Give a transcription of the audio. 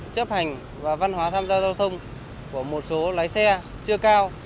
chấp hành và văn hóa tham gia giao thông của một số lái xe chưa cao